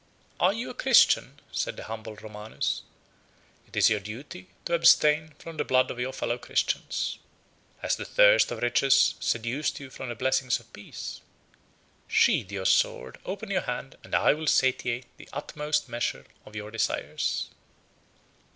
"Are you a Christian?" said the humble Romanus: "it is your duty to abstain from the blood of your fellow Christians. Has the thirst of riches seduced you from the blessings of peace? Sheathe your sword, open your hand, and I will satiate the utmost measure of your desires."